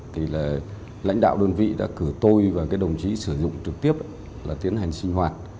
thì là lãnh đạo đơn vị đã cử tôi và cái đồng chí sử dụng trực tiếp là tiến hành sinh hoạt